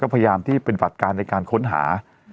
พยายามที่เป็นฝัดการในการค้นหา